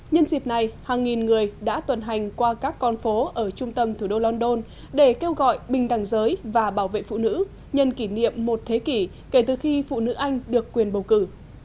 nhân dịp này hàng nghìn người đã tuần hành qua các con phố ở trung tâm thủ đô london để kêu gọi bình đẳng giới và bảo vệ phụ nữ nhân kỷ niệm một thế kỷ kể từ khi phụ nữ anh được quyền bầu cử